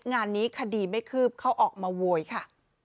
งานนี้คดีไม่คืบเขาออกมาโวยค่ะ